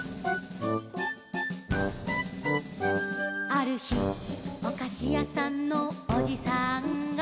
「あるひおかしやさんのおじさんが」